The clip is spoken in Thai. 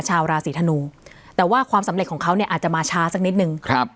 ชาวราศีธนูแต่ว่าความสำเร็จของเขาเนี่ยอาจจะมาช้าสักนิดนึงครับ